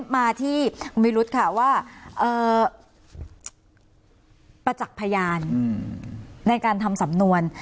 มาที่วิรุธค่ะว่าประจักษ์พยานในการทำสำนวน